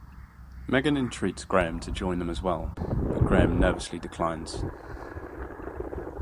Megan entreats Graham to join them as well, but Graham nervously declines.